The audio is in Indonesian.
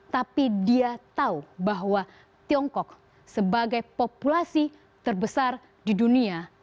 tapi dia tahu bahwa tiongkok sebagai populasi terbesar di dunia